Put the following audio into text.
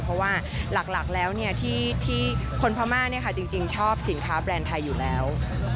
เพราะว่าหลักแล้วที่คนพม่าจริงชอบสินค้าแบรนด์ไทยอยู่แล้ว